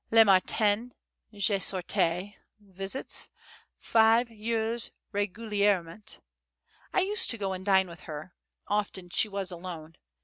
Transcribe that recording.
Le matin je sortais, visits, 5 heures regulierement. I used to go and dine with her; often she was alone.